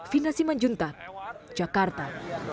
fina simanjuntar jakarta